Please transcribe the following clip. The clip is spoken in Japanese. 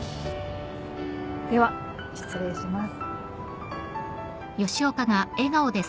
では失礼します。